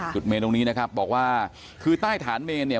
เมนตรงนี้นะครับบอกว่าคือใต้ฐานเมนเนี่ย